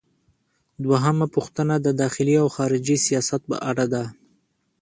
دوهمه پوښتنه د داخلي او خارجي سیاست په اړه ده.